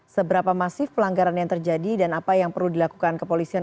seberapa masif pelanggaran yang terjadi dan apa yang perlu dilakukan kepolisian